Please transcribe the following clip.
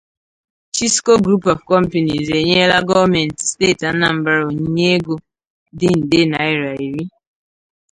Chisco Group of Companies' enyela gọọmenti steeti Anambra onyinye ego dị nde naịra iri